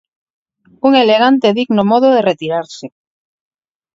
Un elegante e digno modo de retirarse.